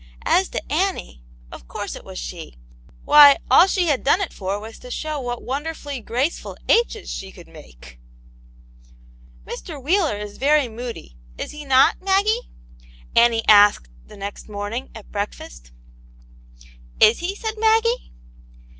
As to Annie — of course it was she — why, all she had done it for was to show what wonderfully graceful H's she could make !" Mr. Wheeler is very moody, is he not, Maggie ?" Annie asked the next morning, at Vite^la^'^. 68 Awit Janets Hero, " Is he ?" said Maggie.